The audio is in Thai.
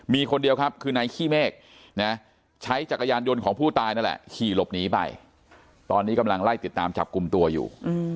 มีคนเดียวครับคือนายขี้เมฆนะใช้จักรยานยนต์ของผู้ตายนั่นแหละขี่หลบหนีไปตอนนี้กำลังไล่ติดตามจับกลุ่มตัวอยู่